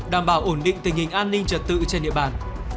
đảm bảo ổn định tình hình an ninh trật tự trên địa bàn